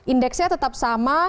indeksnya tetap sama